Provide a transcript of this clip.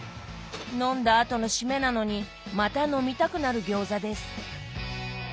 飲んだ後の締めなのにまた飲みたくなる餃子です。